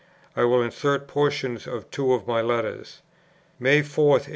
I will insert portions of two of my letters: "May 4, 1843....